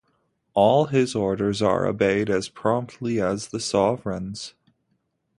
All his orders are obeyed as promptly as the sovereign's.